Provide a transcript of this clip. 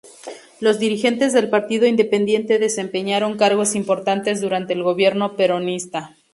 Los dirigentes del Partido Independiente desempeñaron cargos importantes durante el gobierno peronista.